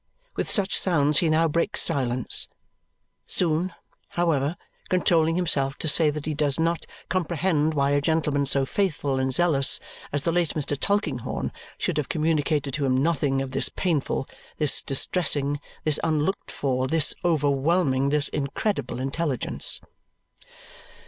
With such sounds he now breaks silence, soon, however, controlling himself to say that he does not comprehend why a gentleman so faithful and zealous as the late Mr. Tulkinghorn should have communicated to him nothing of this painful, this distressing, this unlooked for, this overwhelming, this incredible intelligence.